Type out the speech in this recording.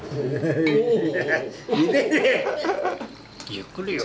・ゆっくりよ。